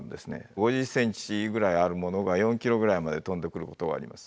５０ｃｍぐらいあるものが４ｋｍぐらいまで飛んでくることがあります。